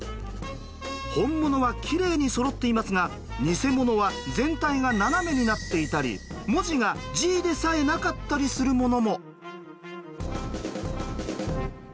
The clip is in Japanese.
本物はきれいにそろっていますが偽物は全体が斜めになっていたり文字がＧでさえなかったりするものも。